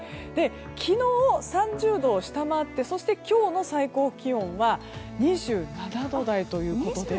昨日、３０度を下回ってそして今日の最高気温は２７度台ということで。